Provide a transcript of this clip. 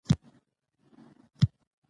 مطرب وژلی، رباب ګونګی دی